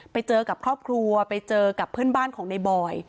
ไปเจอกับครอบครัวไปเจอกับเพื่อนบ้านของในบอย